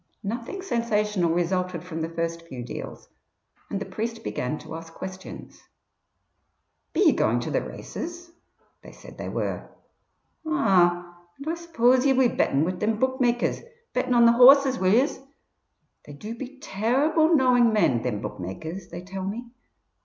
Nothing sensational resulted from the first few deals, and the priest began to ask questions. "Be ye going to the races?" They said they were. "Ah! and Oi suppose ye'll be betting wid thim bookmakers betting on the horses, will yez? They do be terrible knowing men, thim bookmakers, they tell me.